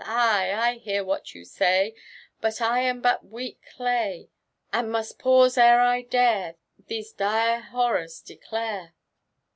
Ay I— I hear what you say ; But I am but weak clay. And must pause ere I dare These dire borrora declare.''